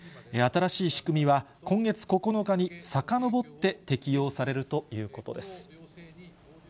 新しい仕組みは、今月９日にさかのぼって適用されるということです。